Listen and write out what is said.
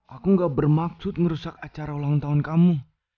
aku gak bermaksud merusak acara ulang tahun kamu